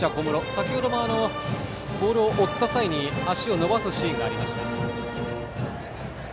先程もボールを追った際に足を伸ばすシーンがありました。